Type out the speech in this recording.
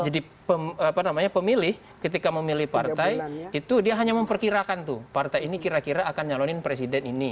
jadi pemilih ketika memilih partai itu dia hanya memperkirakan tuh partai ini kira kira akan nyalonin presiden ini